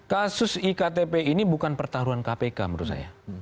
kasus iktp ini bukan pertaruhan kpk menurut saya